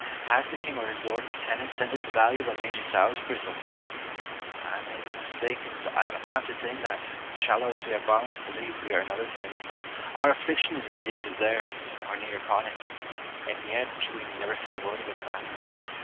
Has the king or his lord 1 16 IMA GIN A R V CON VERS A TIONS. lieutenant sent us the value of a mangy sow's bristle 1 I may be mistaken ; but I am apt to think that, shallow as we are bound to believe we are in other things, our affliction is as deep as theirs, or near upon it ; and yet we never said a word about the matter.